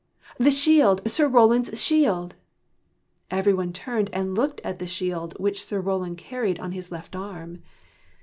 the shield! Sir Roland's shield!" Every one turned and looked at the shield which Sir Roland carried on his left arm.